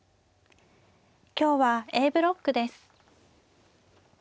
今日はＡブロックです。